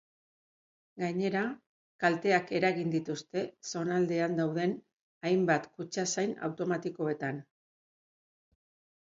Gainera, kalteak eragin dituzte zonaldean dauden hainbat kutxazain automatikoetan.